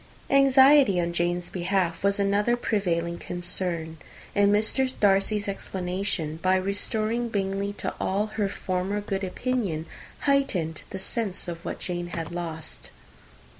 Anxiety on Jane's behalf was another prevailing concern; and Mr. Darcy's explanation, by restoring Bingley to all her former good opinion, heightened the sense of what Jane had lost.